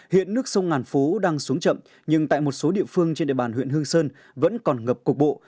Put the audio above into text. hiện nước sông ngàn phố đang xuống chậm nhưng tại một số địa phương trên địa bàn huyện hương sơn vẫn còn ngập cục bộ